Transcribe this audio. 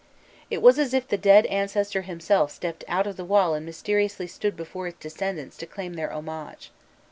It was as if the dead ancestor himself stepped out of the wall and mysteriously stood before his descendants to claim their homage.